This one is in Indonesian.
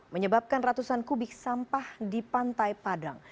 menyebabkan ratusan kubik sampah di pantai padang